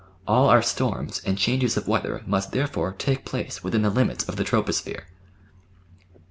All our storms and changes of weather must therefore take place within the limits of the troposphere.